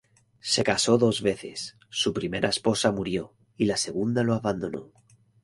Se casó dos veces, su primera esposa murió y la segunda lo abandonó.